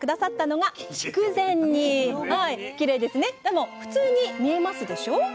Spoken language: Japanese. でも普通に見えますでしょ